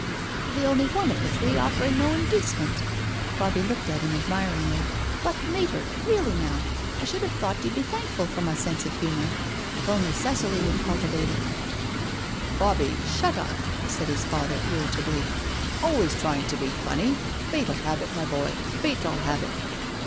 The only one of the three offering no inducement I '* Bobbie looked at him admiringly. " But, Mater, really now, I should have thought you'd be thankful for my sense of humour. If only Cicely would cultivate iti ...«" Bobbiei shut up,^ said his father irritably. '' Always trying to be funny— fatal habit, my boy— fatal habit."